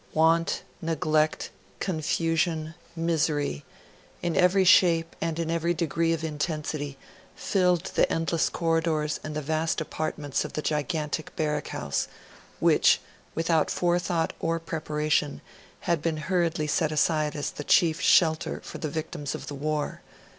Want, neglect, confusion, misery in every shape and in every degree of intensity filled the endless corridors and the vast apartments of the gigantic barrack house, which, without forethought or preparation, had been hurriedly set aside as the chief shelter for the victims of the war.